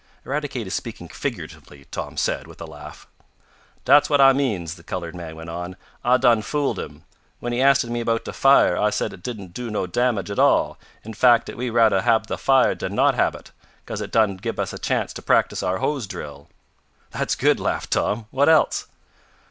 "Eradicate is speaking figuratively," Tom said, with a laugh. "Dat's what I means," the colored man went on. "I done fooled him. When he asted me about de fire I said it didn't do no damage at all in fack dat we'd rather hab de fire dan not hab it, 'case it done gib us a chance t' practice our hose drill." "That's good," laughed Tom. "What else?"